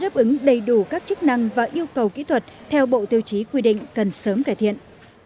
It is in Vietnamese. đáp ứng đầy đủ các chức năng và yêu cầu kỹ thuật theo bộ tiêu chí quy định cần sớm cải thiện